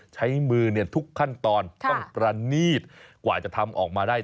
ใช้มือทุกขั้นตอนต้องประนีตกว่าจะทำออกมาได้